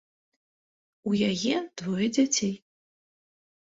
У яе двое дзяцей.